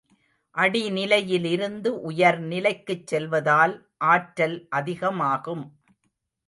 அடிநிலையிலிருந்து உயர் நிலைக்குச் செல்வதால் ஆற்றல் அதிகமாகும்.